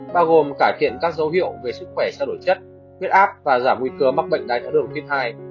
bao gồm cải thiện các dấu hiệu về sức khỏe trao đổi chất huyết áp và giảm nguy cơ mắc bệnh đáy thở đường tuyết hai